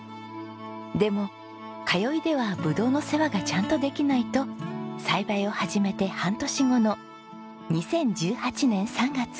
でも通いではブドウの世話がちゃんとできないと栽培を始めて半年後の２０１８年３月天童市に移住。